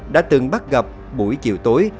đã từng bắt gặp buổi chiều tối